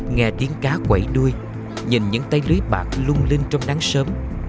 nghe tiếng cá quẩy đuôi nhìn những tay lưới bạc lung linh trong nắng sớm